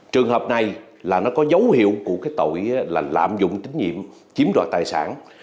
trường hợp này là nó có dấu hiệu của cái tội là lạm dụng tín nhiệm chiếm đoạt tài sản